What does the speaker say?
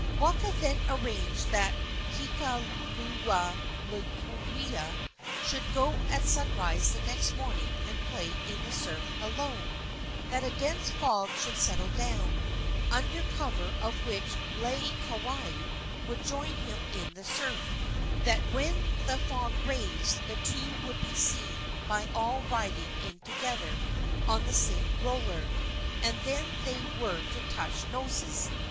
Waka then arranged that Kekalukaluokewa should go at sunrise the next morning and play in the surf alone; that a dense fog should settle down, under cover of which Laieikawai would join him in the surf; that when the fog raised the two would be seen by all riding in together on the same roller, and then they were to touch noses.